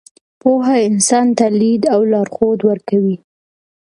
پوهه انسان ته لید او لارښود ورکوي.